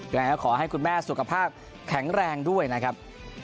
อย่างนั้นขอให้คุณแม่สุขภาพแข็งแรงด้วยนะครับ